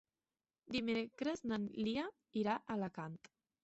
Dimecres na Lia irà a Alacant.